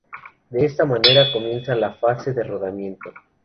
De esta manera, comienza la fase de rodamiento.